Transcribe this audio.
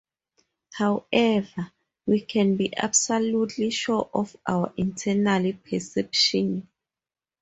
However, we can be absolutely sure of our internal perception.